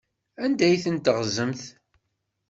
Anda ay ten-teɣzamt?